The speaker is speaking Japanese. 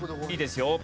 いいですよ。